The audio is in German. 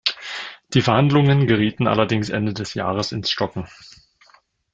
Die Verhandlungen gerieten allerdings Ende des Jahres ins Stocken.